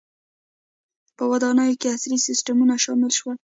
• په ودانیو کې عصري سیستمونه شامل شول.